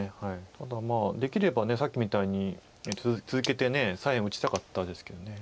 ただできればさっきみたいに続けて左辺打ちたかったですけど。